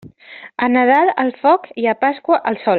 A Nadal, al foc, i a Pasqua, al sol.